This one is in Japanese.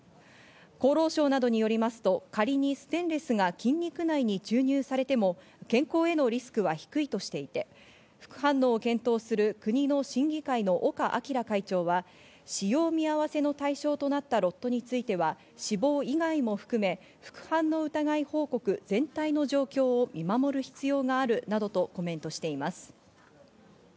厚労省などによりますと、仮にステンレスが筋肉内に注入されても健康へのリスクは低いとしていて、副反応を検討する国の審議会の岡明会長は、使用見合わせの対象となったロットについては死亡以外も含め、副反応疑い報告全体の状況を見守る必要があるなどとコメントしています。